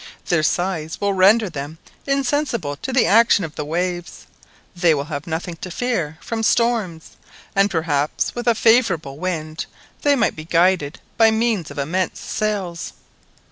Their size will render them insensible to the action of the waves, they will have nothing to fear from storms, and perhaps with a favourable wind they might be guided by means of immense sails!